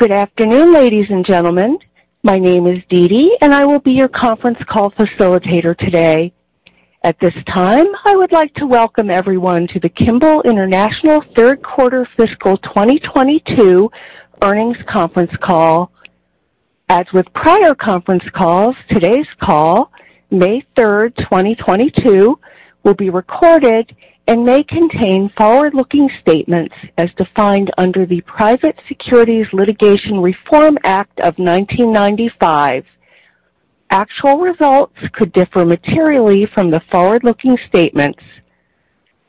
Good afternoon, ladies and gentlemen. My name is Dee Dee, and I will be your conference call facilitator today. At this time, I would like to welcome everyone to the Kimball International third quarter fiscal 2022 earnings conference call. As with prior conference calls, today's call, May third, 2022, will be recorded and may contain forward-looking statements as defined under the Private Securities Litigation Reform Act of 1995. Actual results could differ materially from the forward-looking statements.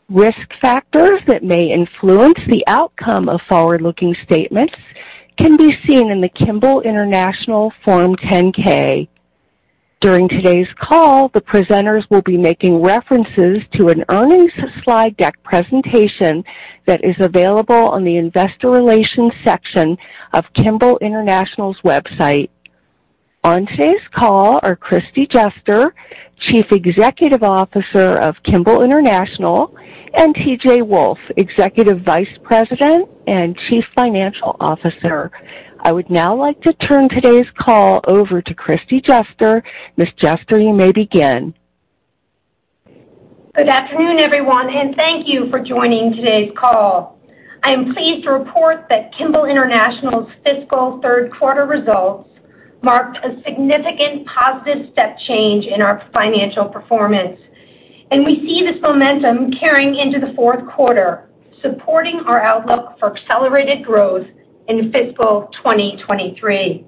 Risk factors that may influence the outcome of forward-looking statements can be seen in the Kimball International Form 10-K. During today's call, the presenters will be making references to an earnings slide deck presentation that is available on the investor relations section of Kimball International's website. On today's call are Kristie Juster, Chief Executive Officer of Kimball International, and T.J. Wolfe, Executive Vice President and Chief Financial Officer. I would now like to turn today's call over to Kristie Juster. Ms. Juster, you may begin. Good afternoon, everyone, and thank you for joining today's call. I am pleased to report that Kimball International's fiscal third quarter results marked a significant positive step change in our financial performance, and we see this momentum carrying into the fourth quarter, supporting our outlook for accelerated growth into fiscal 2023.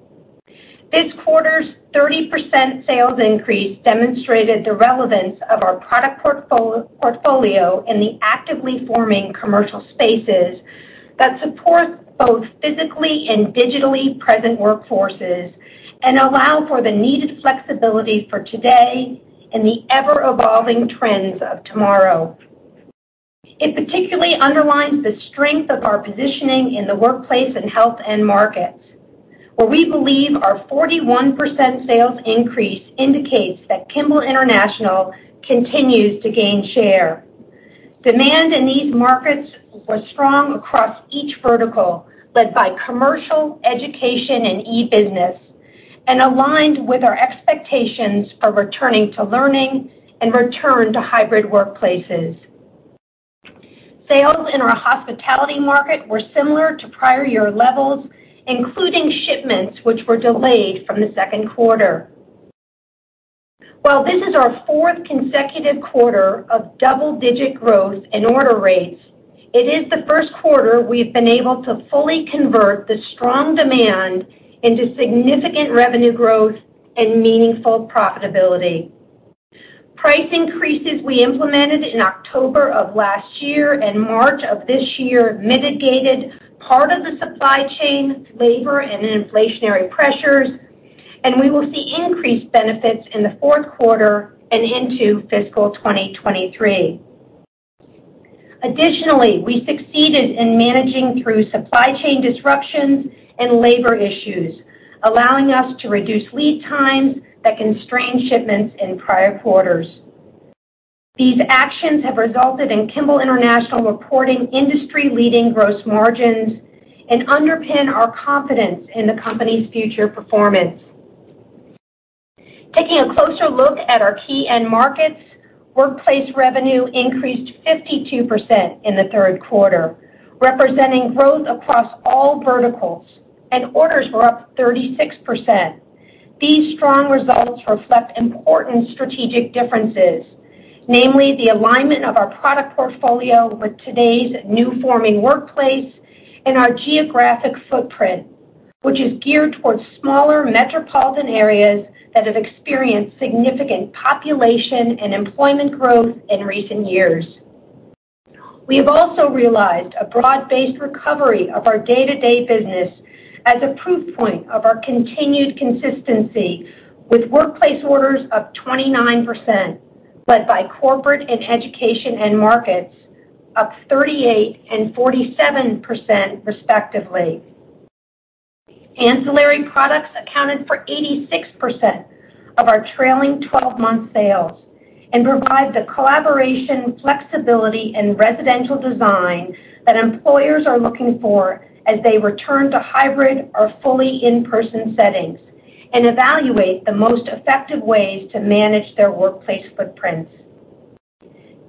This quarter's 30% sales increase demonstrated the relevance of our product portfolio in the actively forming commercial spaces that support both physically and digitally present workforces and allow for the needed flexibility for today and the ever-evolving trends of tomorrow. It particularly underlines the strength of our positioning in the workplace and health end markets, where we believe our 41% sales increase indicates that Kimball International continues to gain share. Demand in these markets was strong across each vertical, led by commercial, education, and e-business, and aligned with our expectations for returning to learning and return to hybrid workplaces. Sales in our hospitality market were similar to prior year levels, including shipments which were delayed from the second quarter. While this is our fourth consecutive quarter of double-digit growth in order rates, it is the first quarter we've been able to fully convert the strong demand into significant revenue growth and meaningful profitability. Price increases we implemented in October of last year and March of this year mitigated part of the supply chain, labor, and inflationary pressures, and we will see increased benefits in the fourth quarter and into fiscal 2023. Additionally, we succeeded in managing through supply chain disruptions and labor issues, allowing us to reduce lead times that constrained shipments in prior quarters. These actions have resulted in Kimball International reporting industry-leading gross margins and underpin our confidence in the company's future performance. Taking a closer look at our key end markets, workplace revenue increased 52% in the third quarter, representing growth across all verticals and orders were up 36%. These strong results reflect important strategic differences, namely the alignment of our product portfolio with today's new forming workplace and our geographic footprint, which is geared towards smaller metropolitan areas that have experienced significant population and employment growth in recent years. We have also realized a broad-based recovery of our day-to-day business as a proof point of our continued consistency with workplace orders up 29%, led by corporate and education end markets, up 38% and 47% respectively. Ancillary products accounted for 86% of our trailing twelve-month sales and provide the collaboration, flexibility, and residential design that employers are looking for as they return to hybrid or fully in-person settings and evaluate the most effective ways to manage their workplace footprints.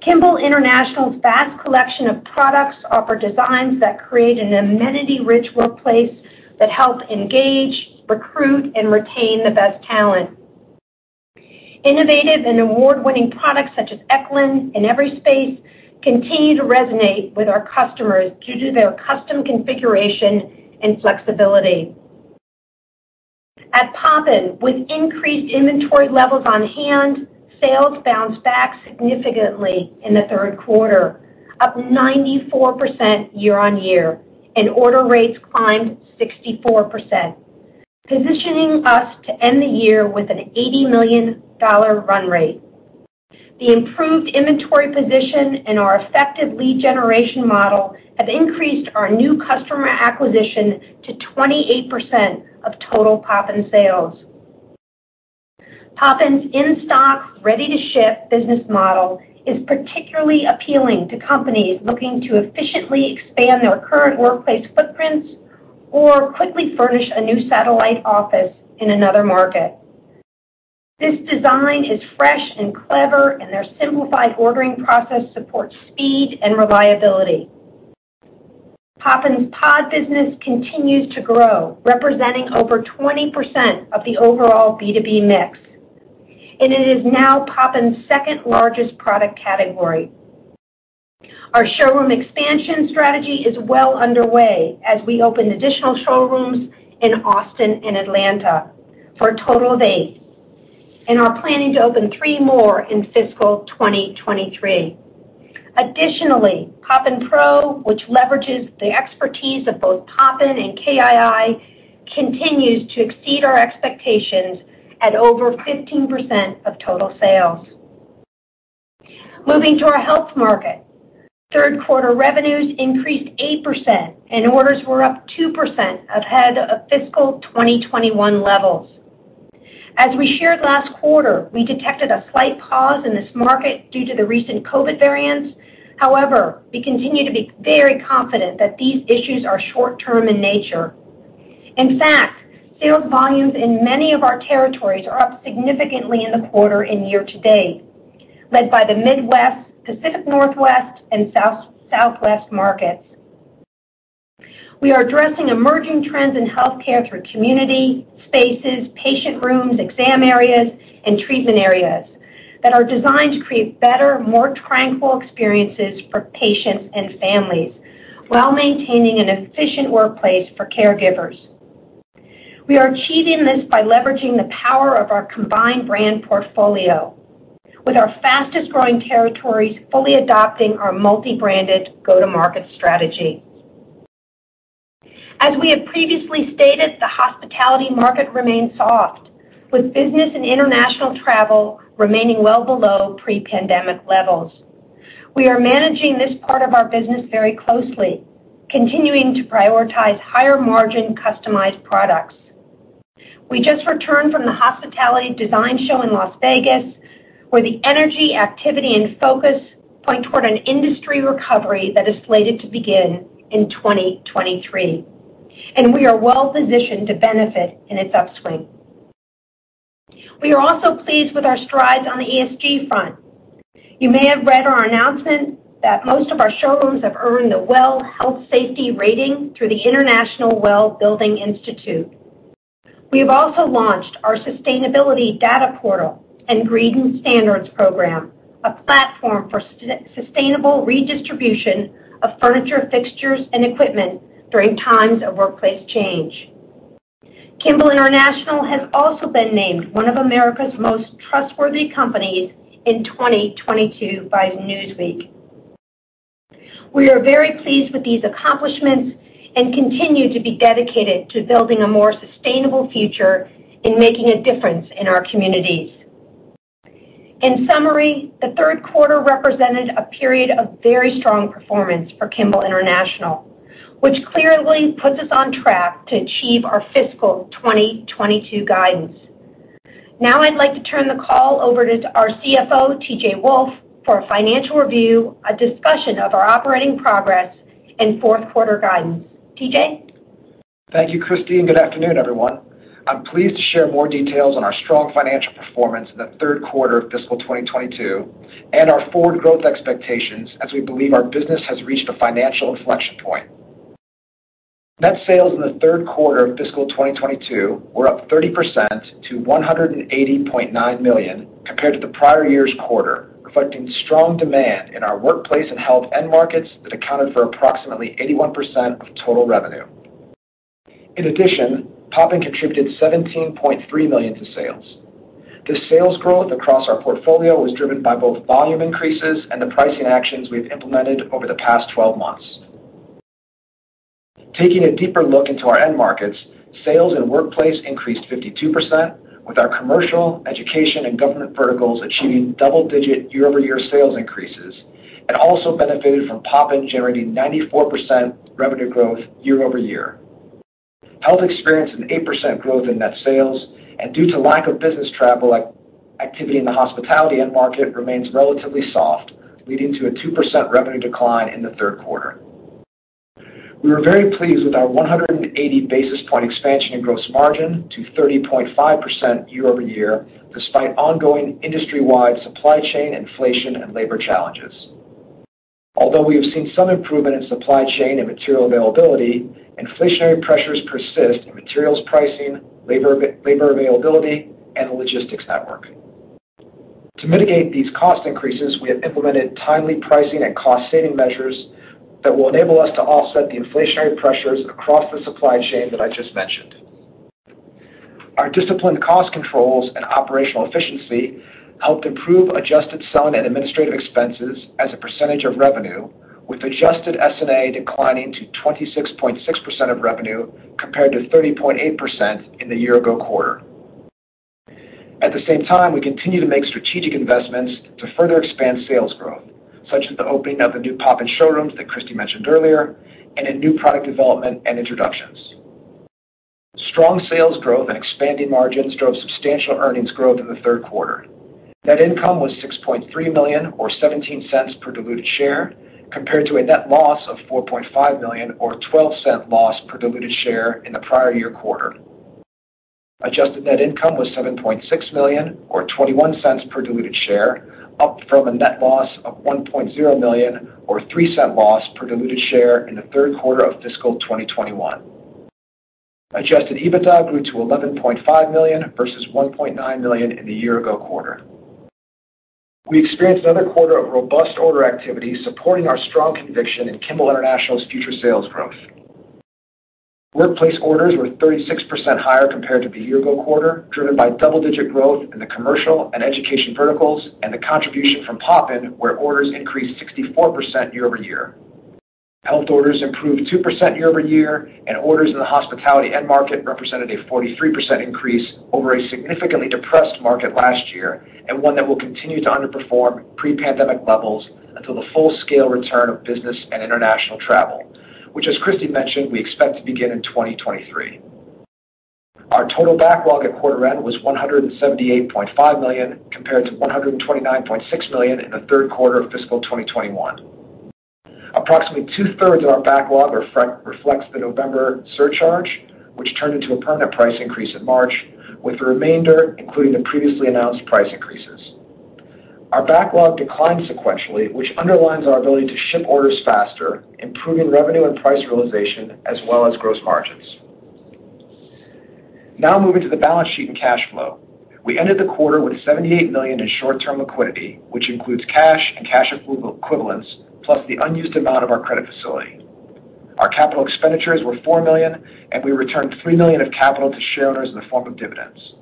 Kimball International's vast collection of products offer designs that create an amenity-rich workplace that help engage, recruit, and retain the best talent. Innovative and award-winning products such as Eklund and EverySpace continue to resonate with our customers due to their custom configuration and flexibility. At Poppin, with increased inventory levels on hand, sales bounced back significantly in the third quarter, up 94% year-on-year, and order rates climbed 64%, positioning us to end the year with an $80 million run rate. The improved inventory position and our effective lead generation model have increased our new customer acquisition to 28% of total Poppin sales. Poppin's in-stock, ready-to-ship business model is particularly appealing to companies looking to efficiently expand their current workplace footprints or quickly furnish a new satellite office in another market. This design is fresh and clever, and their simplified ordering process supports speed and reliability. Poppin's Pods business continues to grow, representing over 20% of the overall B2B mix. It is now Poppin's second-largest product category. Our showroom expansion strategy is well underway as we open additional showrooms in Austin and Atlanta for a total of eight, and are planning to open three more in fiscal 2023. Additionally, Poppin Pro, which leverages the expertise of both Poppin and KII, continues to exceed our expectations at over 15% of total sales. Moving to our health market. Third quarter revenues increased 8% and orders were up 2% ahead of fiscal 2021 levels. As we shared last quarter, we detected a slight pause in this market due to the recent COVID variants. However, we continue to be very confident that these issues are short-term in nature. In fact, sales volumes in many of our territories are up significantly in the quarter and year to date, led by the Midwest, Pacific Northwest, and South-Southwest markets. We are addressing emerging trends in healthcare through community spaces, patient rooms, exam areas, and treatment areas that are designed to create better, more tranquil experiences for patients and families while maintaining an efficient workplace for caregivers. We are achieving this by leveraging the power of our combined brand portfolio with our fastest-growing territories fully adopting our multi-branded go-to-market strategy. As we have previously stated, the hospitality market remains soft, with business and international travel remaining well below pre-pandemic levels. We are managing this part of our business very closely, continuing to prioritize higher margin customized products. We just returned from the HD Expo + Conference in Las Vegas, where the energy, activity, and focus point toward an industry recovery that is slated to begin in 2023, and we are well positioned to benefit in its upswing. We are also pleased with our strides on the ESG front. You may have read our announcement that most of our showrooms have earned the WELL Health-Safety Rating through the International WELL Building Institute. We have also launched our sustainability data portal and Green Standards Program, a platform for sustainable redistribution of furniture, fixtures, and equipment during times of workplace change. Kimball International has also been named one of America's most trustworthy companies in 2022 by Newsweek. We are very pleased with these accomplishments and continue to be dedicated to building a more sustainable future in making a difference in our communities. In summary, the third quarter represented a period of very strong performance for Kimball International, which clearly puts us on track to achieve our fiscal 2022 guidance. Now I'd like to turn the call over to our CFO, T.J. Wolfe, for a financial review, a discussion of our operating progress and fourth-quarter guidance. T.J.? Thank you, Kristie, and good afternoon, everyone. I'm pleased to share more details on our strong financial performance in the third quarter of fiscal 2022 and our forward growth expectations as we believe our business has reached a financial inflection point. Net sales in the third quarter of fiscal 2022 were up 30% to $180.9 million compared to the prior year's quarter, reflecting strong demand in our workplace and health end markets that accounted for approximately 81% of total revenue. In addition, Poppin contributed $17.3 million to sales. This sales growth across our portfolio was driven by both volume increases and the pricing actions we've implemented over the past 12 months. Taking a deeper look into our end markets, sales in workplace increased 52%, with our commercial, education, and government verticals achieving double-digit year-over-year sales increases and also benefited from Poppin generating 94% revenue growth year-over-year. Health experienced an 8% growth in net sales, and due to lack of business travel, activity in the hospitality end market remains relatively soft, leading to a 2% revenue decline in the third quarter. We were very pleased with our 180 basis point expansion in gross margin to 30.5% year-over-year, despite ongoing industry-wide supply chain inflation and labor challenges. Although we have seen some improvement in supply chain and material availability, inflationary pressures persist in materials pricing, labor availability, and the logistics network. To mitigate these cost increases, we have implemented timely pricing and cost-saving measures that will enable us to offset the inflationary pressures across the supply chain that I just mentioned. Our disciplined cost controls and operational efficiency helped improve adjusted SG&A expenses as a percentage of revenue, with adjusted SG&A declining to 26.6% of revenue compared to 30.8% in the year-ago quarter. At the same time, we continue to make strategic investments to further expand sales growth, such as the opening of the new Poppin showrooms that Kristie Juster mentioned earlier, and in new product development and introductions. Strong sales growth and expanding margins drove substantial earnings growth in the third quarter. Net income was $6.3 million, or $0.17 per diluted share, compared to a net loss of $4.5 million or $0.12 loss per diluted share in the prior year quarter. Adjusted net income was $7.6 million or $0.21 per diluted share, up from a net loss of $1.0 million or $0.03 loss per diluted share in the third quarter of fiscal 2021. Adjusted EBITDA grew to $11.5 million versus $1.9 million in the year-ago quarter. We experienced another quarter of robust order activity, supporting our strong conviction in Kimball International's future sales growth. Workplace orders were 36% higher compared to the year-ago quarter, driven by double-digit growth in the commercial and education verticals and the contribution from Poppin, where orders increased 64% year-over-year. Health orders improved 2% year-over-year, and orders in the hospitality end market represented a 43% increase over a significantly depressed market last year, and one that will continue to underperform pre-pandemic levels until the full-scale return of business and international travel, which, as Kristi mentioned, we expect to begin in 2023. Our total backlog at quarter end was $178.5 million, compared to $129.6 million in the third quarter of fiscal 2021. Approximately two-thirds of our backlog reflects the November surcharge, which turned into a permanent price increase in March, with the remainder including the previously announced price increases. Our backlog declined sequentially, which underlines our ability to ship orders faster, improving revenue and price realization as well as gross margins. Now moving to the balance sheet and cash flow. We ended the quarter with $78 million in short-term liquidity, which includes cash and cash equivalents, plus the unused amount of our credit facility. Our capital expenditures were $4 million, and we returned $3 million of capital to shareholders in the form of dividends.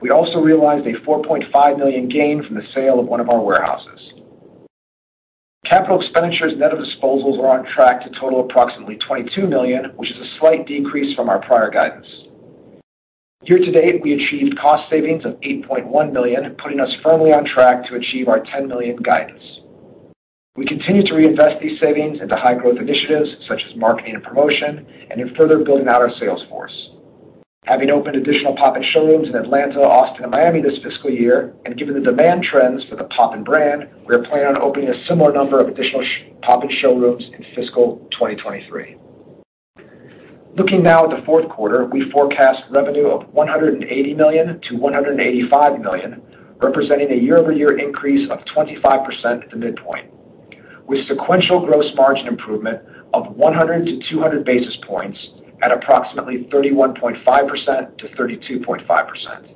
We also realized a $4.5 million gain from the sale of one of our warehouses. Capital expenditures net of disposals are on track to total approximately $22 million, which is a slight decrease from our prior guidance. Year to date, we achieved cost savings of $8.1 million, putting us firmly on track to achieve our $10 million guidance. We continue to reinvest these savings into high growth initiatives such as marketing and promotion, and in further building out our sales force. Having opened additional Poppin showrooms in Atlanta, Austin, and Miami this fiscal year, and given the demand trends for the Poppin brand, we are planning on opening a similar number of additional Poppin showrooms in fiscal 2023. Looking now at the fourth quarter, we forecast revenue of $180 million-$185 million, representing a year-over-year increase of 25% at the midpoint, with sequential gross margin improvement of 100-200 basis points at approximately 31.5%-32.5%.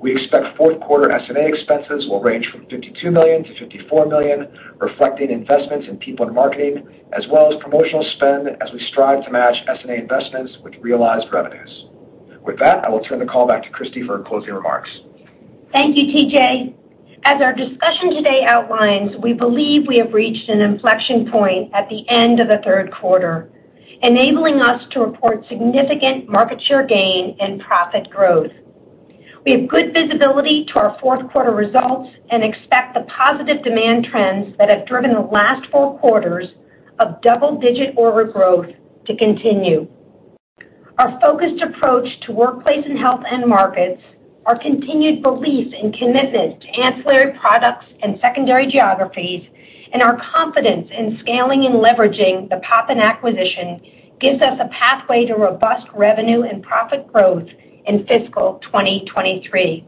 We expect fourth quarter SG&A expenses will range from $52 million-$54 million, reflecting investments in people and marketing as well as promotional spend as we strive to match SG&A investments with realized revenues. With that, I will turn the call back to Kristi for closing remarks. Thank you, T.J. As our discussion today outlines, we believe we have reached an inflection point at the end of the third quarter, enabling us to report significant market share gain and profit growth. We have good visibility to our fourth quarter results and expect the positive demand trends that have driven the last four quarters of double-digit order growth to continue. Our focused approach to workplace and health end markets, our continued belief and commitment to ancillary products and secondary geographies, and our confidence in scaling and leveraging the Poppin acquisition gives us a pathway to robust revenue and profit growth in fiscal 2023.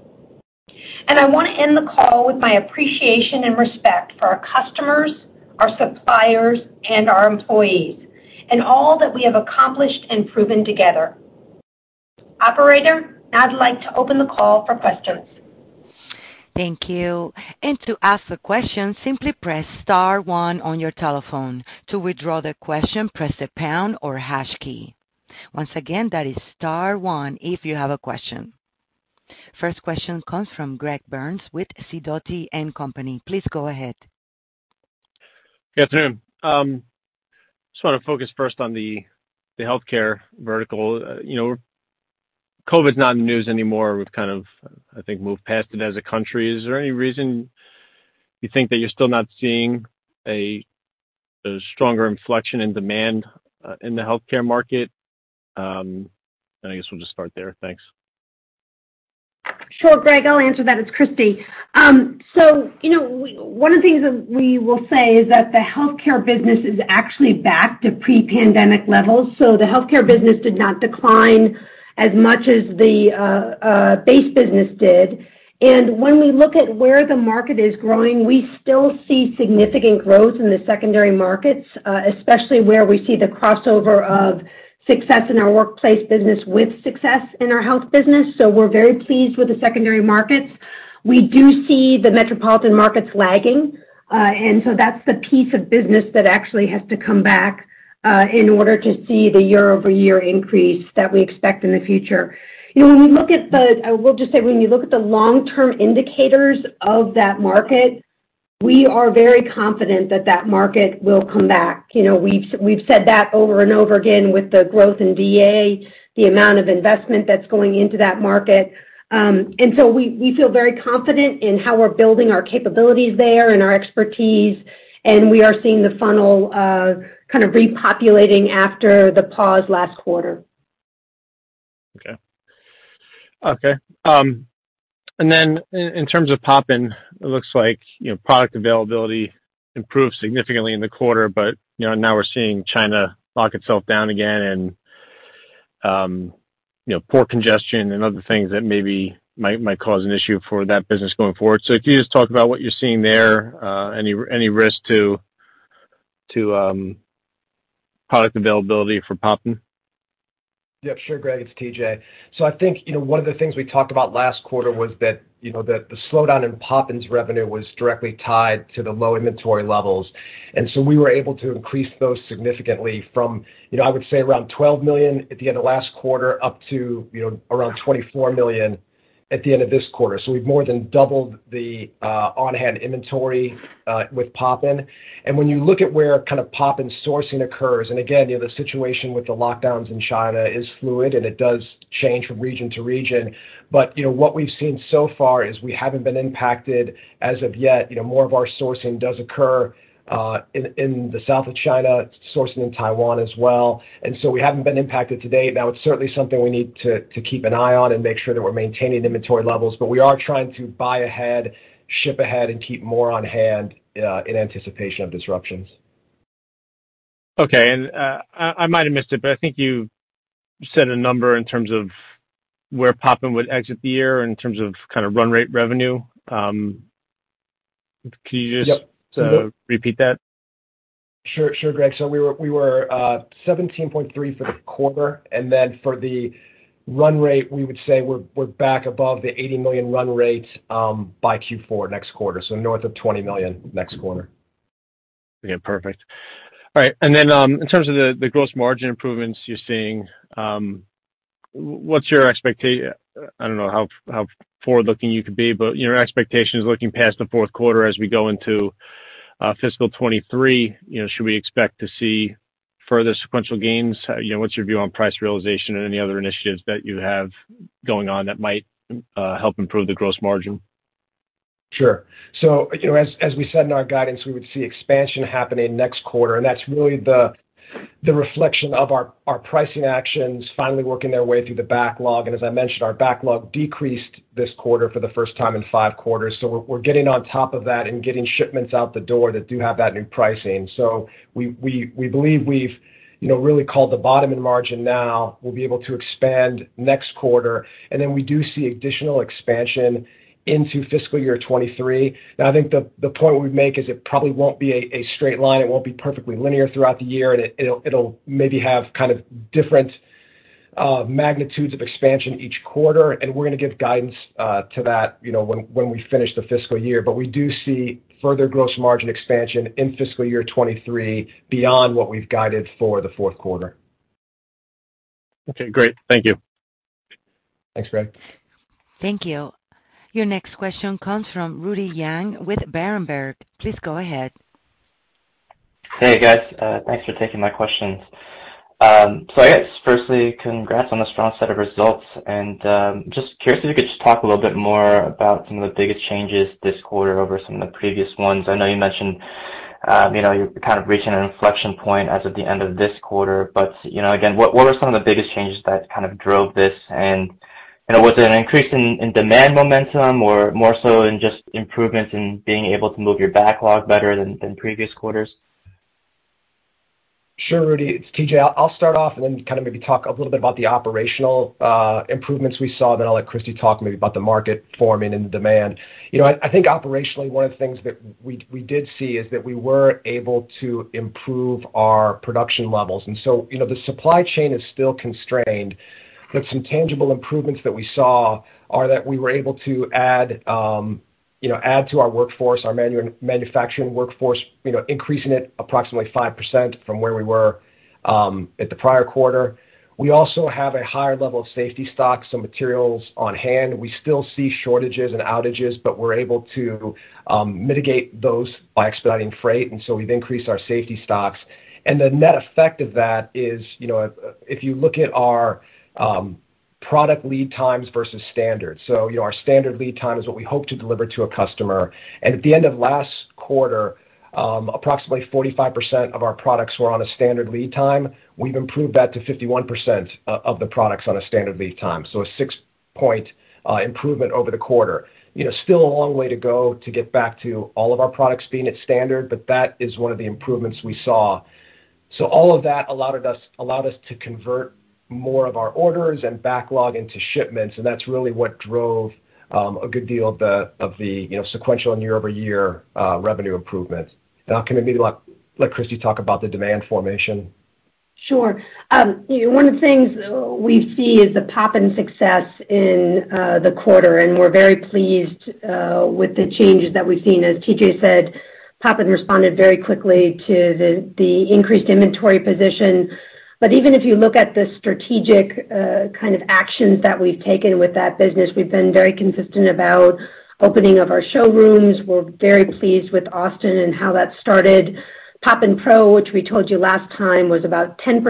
I want to end the call with my appreciation and respect for our customers, our suppliers, and our employees, and all that we have accomplished and proven together. Operator, I'd like to open the call for questions. Thank you. To ask a question, simply press star one on your telephone. To withdraw the question, press the pound or hash key. Once again, that is star one if you have a question. First question comes from Greg Burns with Sidoti & Company. Please go ahead. Good afternoon. Just want to focus first on the healthcare vertical. You know, COVID's not in the news anymore. We've kind of, I think, moved past it as a country. Is there any reason you think that you're still not seeing a stronger inflection in demand in the healthcare market? I guess we'll just start there. Thanks. Sure, Greg. I'll answer that. It's Kristi. You know, we, one of the things that we will say is that the healthcare business is actually back to pre-pandemic levels. The healthcare business did not decline as much as the base business did. When we look at where the market is growing, we still see significant growth in the secondary markets, especially where we see the crossover of success in our workplace business with success in our health business. We're very pleased with the secondary markets. We do see the metropolitan markets lagging. That's the piece of business that actually has to come back in order to see the year-over-year increase that we expect in the future. You know, when we look at the. I will just say, when you look at the long-term indicators of that market, we are very confident that that market will come back. You know, we've said that over and over again with the growth in D&A, the amount of investment that's going into that market. We feel very confident in how we're building our capabilities there and our expertise, and we are seeing the funnel kind of repopulating after the pause last quarter. Okay. In terms of Poppin, it looks like, product availability improved significantly in the quarter, but, now we're seeing China lock itself down again and, you know, port congestion and other things that maybe might cause an issue for that business going forward. If you just talk about what you're seeing there, any risk to product availability for Poppin? Yeah. Sure, Greg, it's TJ. I think, you know, one of the things we talked about last quarter was that, you know, the slowdown in Poppin's revenue was directly tied to the low inventory levels. We were able to increase those significantly from, you know, I would say around $12 million at the end of last quarter up to, you know, around $24 million at the end of this quarter. We've more than doubled the on-hand inventory with Poppin. When you look at where Poppin sourcing occurs, and again, you know, the situation with the lockdowns in China is fluid, and it does change from region to region. You know, what we've seen so far is we haven't been impacted as of yet. You know, more of our sourcing does occur in the south of China, sourcing in Taiwan as well. We haven't been impacted to date. Now, it's certainly something we need to keep an eye on and make sure that we're maintaining inventory levels. We are trying to buy ahead, ship ahead, and keep more on hand in anticipation of disruptions. Okay. I might have missed it, but I think you said a number in terms of where Poppin would exit the year in terms of kind of run rate revenue. Can you just- Yep. Repeat that? Sure, Greg. We were 17.3 for the quarter, and then for the run rate, we would say we're back above the $80 million run rate by Q4 next quarter, so north of $20 million next quarter. Okay, perfect. All right. In terms of the gross margin improvements you're seeing, what's your expectations? I don't know how forward-looking you can be, but your expectations looking past the fourth quarter as we go into fiscal 2023, you know, should we expect to see further sequential gains? You know, what's your view on price realization and any other initiatives that you have going on that might help improve the gross margin? Sure. You know, as we said in our guidance, we would see expansion happening next quarter, and that's really the reflection of our pricing actions finally working their way through the backlog. As I mentioned, our backlog decreased this quarter for the first time in five quarters. We're getting on top of that and getting shipments out the door that do have that new pricing. We believe we've, you know, really called the bottom in margin now. We'll be able to expand next quarter. Then we do see additional expansion into fiscal year 2023. Now, I think the point we make is it probably won't be a straight line. It won't be perfectly linear throughout the year, and it'll maybe have kind of different magnitudes of expansion each quarter, and we're going to give guidance to that, you know, when we finish the fiscal year. We do see further gross margin expansion in fiscal year 2023 beyond what we've guided for the fourth quarter. Okay, great. Thank you. Thanks, Greg. Thank you. Your next question comes from Reuben Garner with Berenberg. Please go ahead. Hey, guys. Thanks for taking my questions. I guess firstly, congrats on the strong set of results. Just curious if you could just talk a little bit more about some of the biggest changes this quarter over some of the previous ones. I know you mentioned, you know, you're kind of reaching an inflection point as of the end of this quarter. You know, again, what were some of the biggest changes that kind of drove this? Was it an increase in demand momentum or more so in just improvements in being able to move your backlog better than previous quarters? Sure, Reuben. It's T.J. I'll start off and then kind of maybe talk a little bit about the operational improvements we saw, then I'll let Kristi talk maybe about the market forming and demand. You know, I think operationally one of the things that we did see is that we were able to improve our production levels. You know, the supply chain is still constrained, but some tangible improvements that we saw are that we were able to add, you know, to our workforce, our manufacturing workforce, you know, increasing it approximately 5% from where we were at the prior quarter. We also have a higher level of safety stocks and materials on hand. We still see shortages and outages, but we're able to mitigate those by expediting freight, and so we've increased our safety stocks. The net effect of that is, you know, if you look at our product lead times versus standard, so, you know, our standard lead time is what we hope to deliver to a customer. At the end of last quarter, approximately 45% of our products were on a standard lead time. We've improved that to 51% of the products on a standard lead time. A 6-point improvement over the quarter. You know, still a long way to go to get back to all of our products being at standard, but that is one of the improvements we saw. All of that allowed us to convert more of our orders and backlog into shipments, and that's really what drove a good deal of the, you know, sequential and year-over-year revenue improvements. Gonna maybe let Kristi talk about the demand formation. Sure. You know, one of the things we see is the Poppin success in the quarter, and we're very pleased with the changes that we've seen. As T.J. said, Poppin responded very quickly to the increased inventory position. But even if you look at the strategic kind of actions that we've taken with that business, we've been very consistent about opening of our showrooms. We're very pleased with Austin and how that started. Poppin Pro, which we told you last time, was about 10%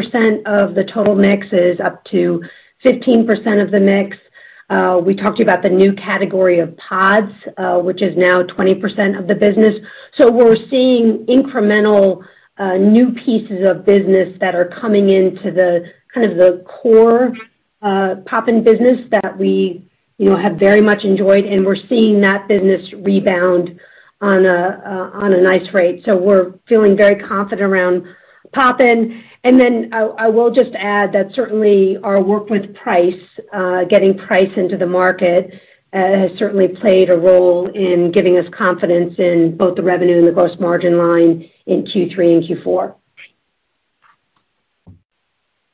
of the total mix, is up to 15% of the mix. We talked to you about the new category of pods, which is now 20% of the business. We're seeing incremental new pieces of business that are coming into the kind of the core Poppin business that we, you know, have very much enjoyed, and we're seeing that business rebound on a nice rate. We're feeling very confident around Poppin. I will just add that certainly our work with price getting price into the market has certainly played a role in giving us confidence in both the revenue and the gross margin line in Q3 and Q4.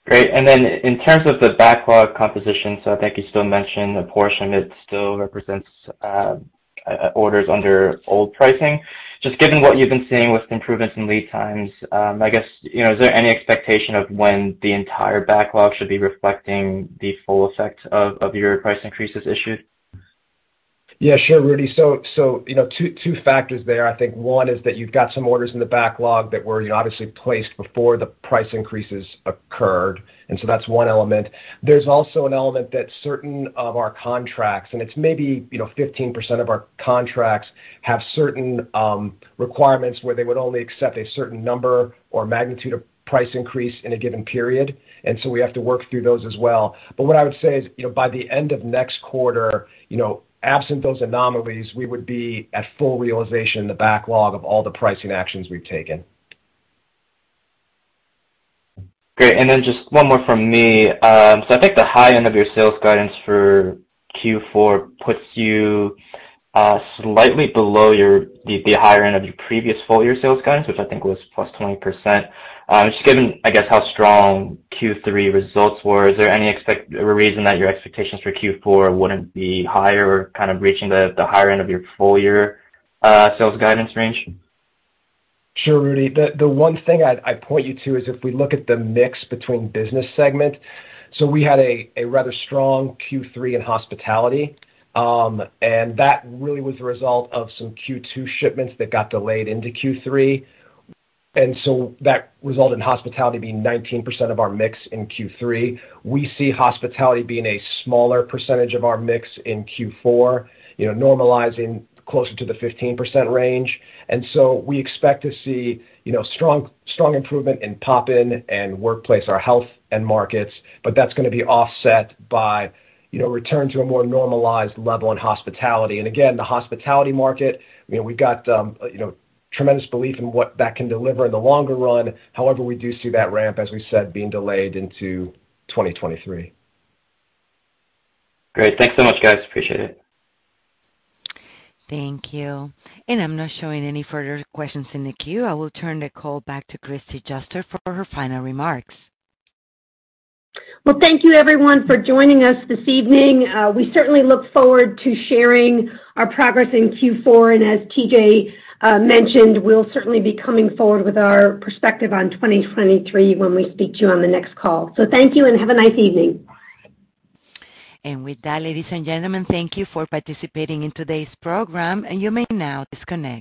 Great. In terms of the backlog composition, so I think you still mentioned the portion that still represents orders under old pricing. Just given what you've been seeing with improvements in lead times, I guess, you know, is there any expectation of when the entire backlog should be reflecting the full effect of your price increases issued? Yeah, sure, Reuben. So, you know, two factors there. I think one is that you've got some orders in the backlog that were, you know, obviously placed before the price increases occurred, and so that's one element. There's also an element that certain of our contracts, and it's maybe, you know, 15% of our contracts have certain requirements where they would only accept a certain number or magnitude of price increase in a given period. We have to work through those as well. What I would say is, you know, by the end of next quarter, you know, absent those anomalies, we would be at full realization in the backlog of all the pricing actions we've taken. Great. Then just one more from me. So I think the high end of your sales guidance for Q4 puts you slightly below the higher end of your previous full-year sales guidance, which I think was +20%. Just given, I guess, how strong Q3 results were, is there any reason that your expectations for Q4 wouldn't be higher or kind of reaching the higher end of your full-year sales guidance range? Sure, Rudy. The one thing I'd point you to is if we look at the mix between business segment. We had a rather strong Q3 in hospitality, and that really was a result of some Q2 shipments that got delayed into Q3. That resulted in hospitality being 19% of our mix in Q3. We see hospitality being a smaller percentage of our mix in Q4, you know, normalizing closer to the 15% range. We expect to see, you know, strong improvement in Poppin and workplace, our health end markets, but that's gonna be offset by, you know, return to a more normalized level in hospitality. Again, the hospitality market, you know, we've got, you know, tremendous belief in what that can deliver in the longer run. However, we do see that ramp, as we said, being delayed into 2023. Great. Thanks so much, guys. Appreciate it. Thank you. I'm not showing any further questions in the queue. I will turn the call back to Kristi Juster for her final remarks. Well, thank you everyone for joining us this evening. We certainly look forward to sharing our progress in Q4. As TJ mentioned, we'll certainly be coming forward with our perspective on 2023 when we speak to you on the next call. Thank you and have a nice evening. With that, ladies and gentlemen, thank you for participating in today's program, and you may now disconnect.